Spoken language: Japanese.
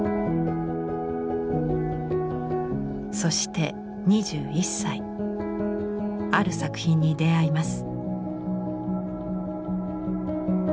そして２１歳ある作品に出会います。